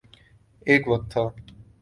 ایک وقت تھا۔